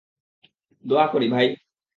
দোয়া করি, ভাই।